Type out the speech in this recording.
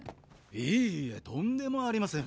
いいえとんでもありません。